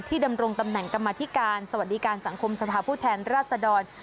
ดำรงตำแหน่งกรรมธิการสวัสดีการสังคมสภาพผู้แทนราชดร